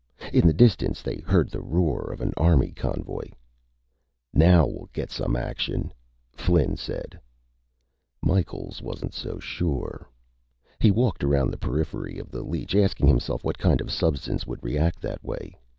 In the distance they heard the roar of an Army convoy. "Now we'll get some action," Flynn said. Micheals wasn't so sure. He walked around the periphery of the leech, asking himself what kind of substance would react that way.